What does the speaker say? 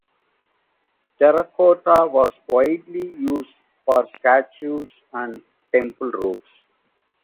Terracotta was widely used for statues and temple roofs.